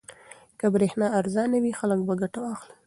که برېښنا ارزانه وي خلک به ګټه واخلي.